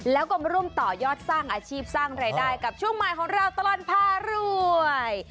แล้วก็มาร่วมต่อยอดสร้างอาชีพสร้างรายได้กับช่วงใหม่ของเราตลอดพารวย